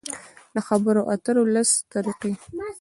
د خبرو اترو لس طریقې: